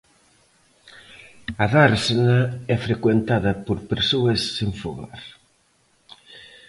A dársena é frecuentada por persoas sen fogar.